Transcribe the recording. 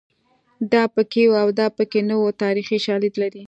دا پکې وو او دا پکې نه وو تاریخي شالید لري